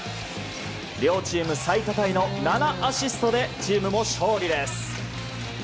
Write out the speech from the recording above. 両チーム最多タイの７アシストでチームも勝利です。